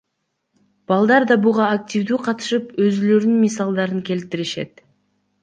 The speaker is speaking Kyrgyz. Балдар да буга активдүү катышып, өзүлөрүнүн мисалдарын кетиришет.